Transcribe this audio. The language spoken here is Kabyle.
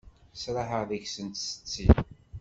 Sraḥeɣ deg-sen setti.